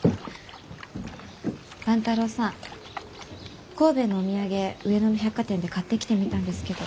万太郎さん神戸へのお土産上野の百貨店で買ってきてみたんですけど。